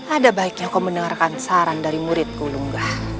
ada baiknya kau mendengarkan saran dari muridku lungga